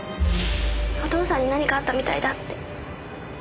お父さんに何かあったみたいだって。